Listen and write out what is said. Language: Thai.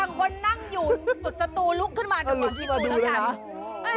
บางคนนั่งอยู่สุดสตูลุกขึ้นมาเดี๋ยวลองคิดดูแล้วกัน